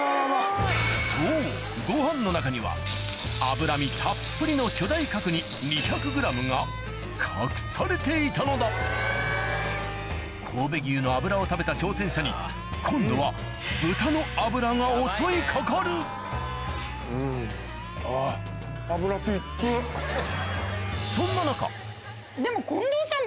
そうご飯の中には脂身たっぷりの巨大角煮２００ｇが隠されていたのだ神戸牛の脂を食べた挑戦者に今度はが襲い掛かるそんな中でも近藤さん